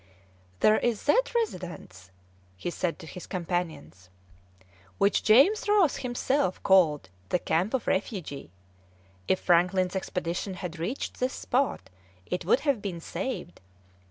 "There is that residence," he said to his companions, "which James Ross himself called the Camp of Refuge; if Franklin's expedition had reached this spot, it would have been saved.